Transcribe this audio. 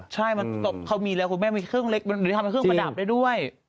ใช่เขามีแล้วคุณแม่มีเครื่องเล็กหรือทำเป็นเครื่องประดับได้ด้วย